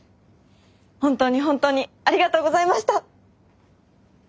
本当に本当にありがとうございました！